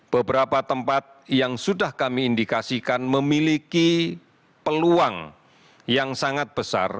beberapa tempat yang sudah kami indikasikan memiliki peluang yang sangat besar